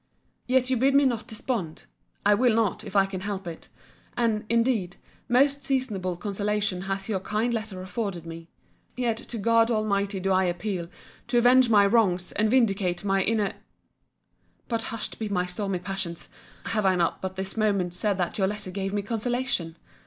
Yet you bid me not despond.—I will not, if I can help it. And, indeed, most seasonable consolation has your kind letter afforded me.—Yet to God Almighty do I appeal, to avenge my wrongs, and vindicate my inno—— But hushed be my stormy passions!—Have I not but this moment said that your letter gave me consolation?